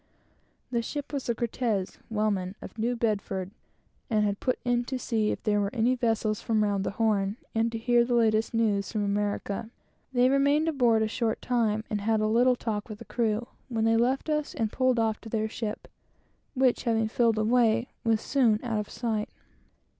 The ship was the Cortes, whaleman, of New Bedford, and had put in to see if there were any vessels from round the Horn, and to hear the latest news from America. They remained aboard a short time and had a little talk with the crew, when they left us and pulled off to their ship, which, having filled away, was soon out of sight.